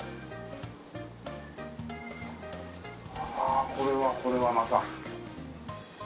あっこれはこれはまた。